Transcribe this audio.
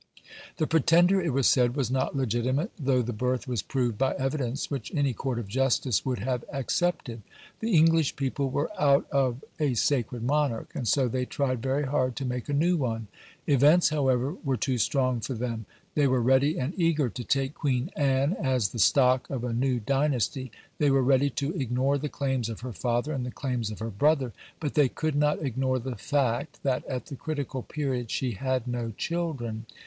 The Pretender, it was said, was not legitimate, though the birth was proved by evidence which any Court of Justice would have accepted. The English people were "out of" a sacred monarch, and so they tried very hard to make a new one. Events, however, were too strong for them. They were ready and eager to take Queen Anne as the stock of a new dynasty; they were ready to ignore the claims of her father and the claims of her brother, but they could not ignore the fact that at the critical period she had no children.